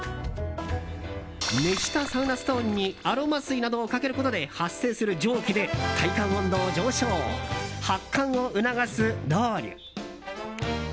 熱したサウナストーンにアロマ水などをかけることで発生する蒸気で体感温度を上昇発汗を促すロウリュ。